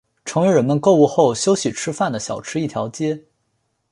成为人们购物后休息吃饭的小吃一条街。